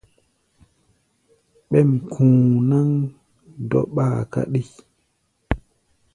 Ɓêm ku̧u̧ náŋ dɔ́ɓáa káɗí.